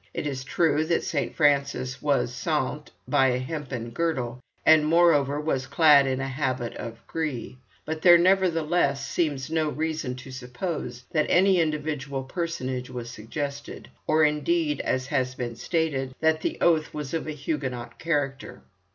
It is true that Saint Francis was ceint by a hempen girdle, and, moreover, was clad in a habit of gris. But there nevertheless seems no reason to suppose that any individual personage was suggested, or, indeed, as has been stated, that the oath was of a Huguenot character.